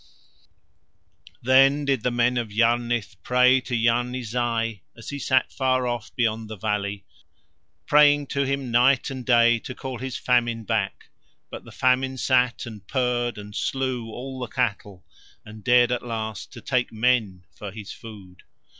Then did the men of Yarnith pray to Yarni Zai as he sat far off beyond the valley, praying to him night and day to call his Famine back, but the Famine sat and purred and slew all the cattle and dared at last to take men for his food.